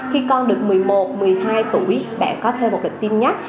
khi con được một mươi một một mươi hai tuổi bạn có thêm một lịch tiêm nhắc